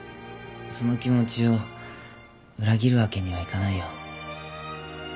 その気持ちを裏切るわけにはいかないよ。